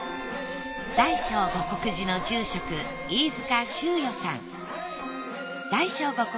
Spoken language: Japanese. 大聖護国寺の住職飯塚秀譽さん。